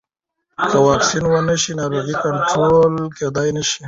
که واکسین ونه شي، ناروغي کنټرول کېدای نه شي.